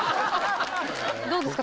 どうですか？